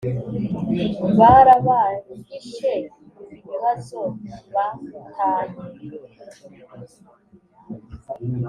barabahishe ibibazo ba tanye